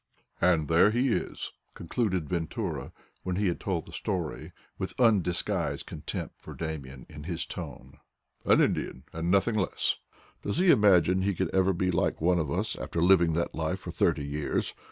'' And there he is, '' concluded Ventura, when he had told the story, with undisguised contempt for I Damian in his tone, "an Indian and nothing less! Does he imagine he can ever be like one of us after living that life for thirty years?